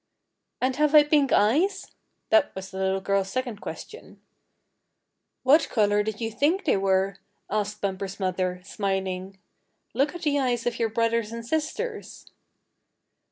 "And have I pink eyes?" That was the little girl's second question. "What color did you think they were?" asked Bumper's mother, smiling. "Look at the eyes of your brothers and sisters."